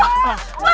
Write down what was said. pak jangan pak